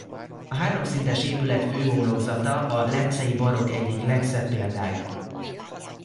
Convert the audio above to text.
A háromszintes épület főhomlokzata a leccei barokk egyik legszebb példája.